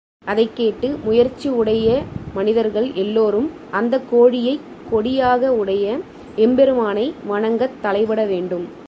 அதைக் கேட்டு முயற்சி உடைய மனிதர்கள் எல்லோரும் அந்தக்கோழியைக் கொடியாக உடைய எம்பெருமானை வணங்கத் தலைப்படவேண்டும்.